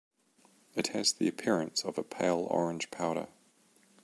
It has the appearance of a pale orange powder.